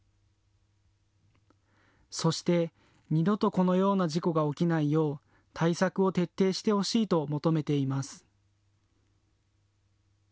そして二度とこのような事故が起きないよう対策を徹底してほしいと求めています。